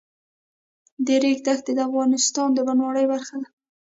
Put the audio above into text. د ریګ دښتې د افغانستان د بڼوالۍ برخه ده.